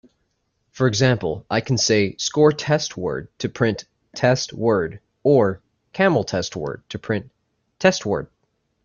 For example, I can say "score test word" to print "test word", or "camel test word" to print "testWord".